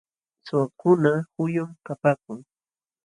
Suwakuna huyum kapaakun.